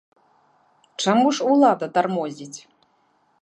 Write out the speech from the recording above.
Чаму ж улада тармозіць?